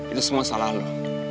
itu semua salah lo